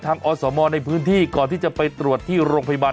อสมในพื้นที่ก่อนที่จะไปตรวจที่โรงพยาบาล